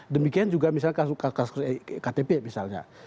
demikian juga misalnya kasus iktp misalnya